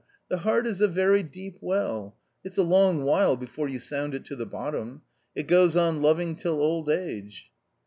The heart is a very deep well ; it's a long while before you sound it to the bottom. It goes on loving till old age."